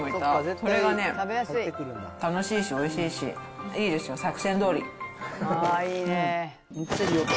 それがね、楽しいし、おいしいし、いいですよ、作戦どおり。